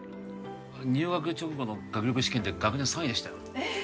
入学直後の学力試験で学年３位でしたよえ